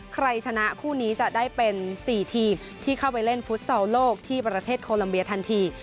ใครชนะคู่นี้จะได้เป็น๔ทีมที่เข้าไปเล่นฟุตซอลโลกที่ประเทศโคลัมเบียทันที